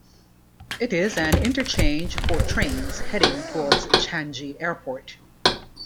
It is an interchange for trains heading towards Changi Airport.